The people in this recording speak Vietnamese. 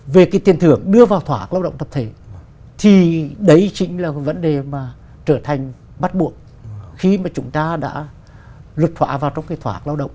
về cái tiền thưởng đưa vào thỏa lao động tập thể thì đấy chính là vấn đề mà trở thành bắt buộc khi mà chúng ta đã luật thỏa vào trong cái thỏa ước lao động